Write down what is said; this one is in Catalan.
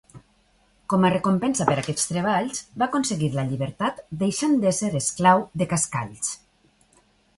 Com a recompensa per aquests treballs va aconseguir la llibertat deixant d'ésser esclau de Cascalls.